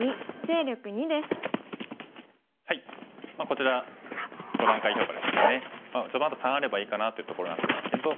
こちら５段階評価ですので序盤だと３あればいいかなというところなんですけど。